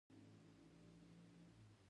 ځمکنی شکل د افغان ځوانانو لپاره دلچسپي لري.